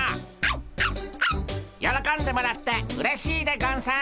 よろこんでもらってうれしいでゴンス。